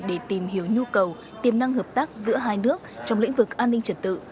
để tìm hiểu nhu cầu tiềm năng hợp tác giữa hai nước trong lĩnh vực an ninh trật tự